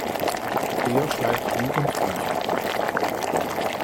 Er schreibt Jugendbücher.